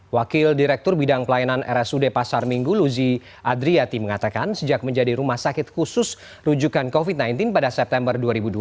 wakil direktur bidang pelayanan rsud pasar minggu luzi adriati mengatakan sejak menjadi rumah sakit khusus rujukan covid sembilan belas pada september dua ribu dua puluh